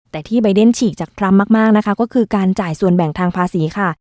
แต่ที่ใบเดนฉีกจากทรัมป์มากนะคะก็คือการจ่ายส่วนแบ่งทางภาษีค่ะ